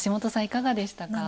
いかがでしたか？